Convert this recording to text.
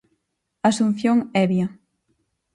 Asunción Hevia.